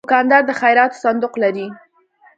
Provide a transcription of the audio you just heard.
دوکاندار د خیراتو صندوق لري.